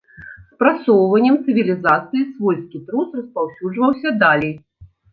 З прасоўваннем цывілізацыі свойскі трус распаўсюджваўся далей.